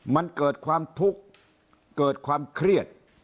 มันเกิดความทุกข์เกิดความเครียด